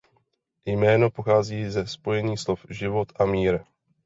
Jméno pochází ze spojení slov život a mír.